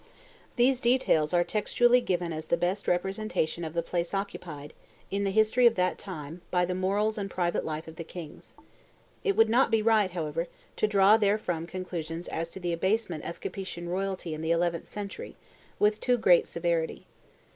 These details are textually given as the best representation of the place occupied, in the history of that time, by the morals and private life of the kings. It would not be right, however, to draw therefrom conclusions as to the abasement of Capetian royalty in the eleventh century, with too great severity.